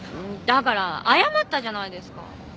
だから謝ったじゃないですか！